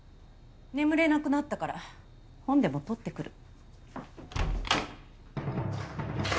眠れなくなったから本でも取ってくる。